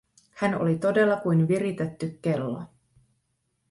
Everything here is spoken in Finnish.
Hän oli todella kuin viritetty kello.